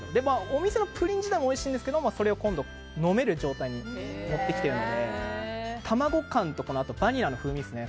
お店のプリン自体もおいしいんですが、それを今度飲める状態に持ってきているので卵感とかバニラの風味ですね